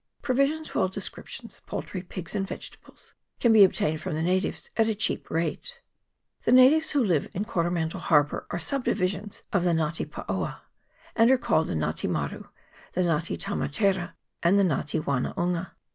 Provisions of all descriptions, poultry, pigs, and vegetables, can be obtained from the natives at a cheap rate. The natives who live in Coromandel Harbour are subdivisions of the Nga te paoa, and are called the Nga te maru, the Nga te tamatera, and the Nga te wanaunga.